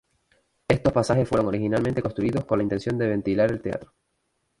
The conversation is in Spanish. Estos pasajes fueron originalmente construidos con la intención de ventilar el teatro.